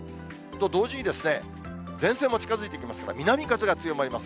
と同時に、前線も近づいてきますから、南風が強まります。